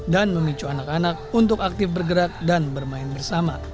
dan memicu anak anak untuk aktif bergerak dan bermain bersama